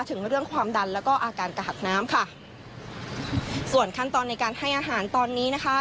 ถึงเรื่องความดันแล้วก็อาการกระหัดน้ำค่ะส่วนขั้นตอนในการให้อาหารตอนนี้นะคะ